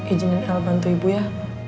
ijinin el bantu ibu ya